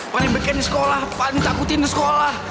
paling bikin di sekolah paling takutin di sekolah